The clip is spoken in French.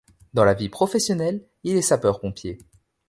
Dans la vie professionnelle, il est sapeur-pompier.